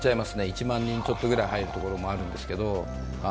１万人ちょっとぐらい入るところもあるんですけど。